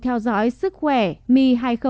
theo dõi sức khỏe mi hai nghìn hai mươi hai